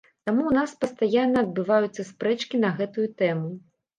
Таму ў нас пастаянна адбываюцца спрэчкі на гэтую тэму.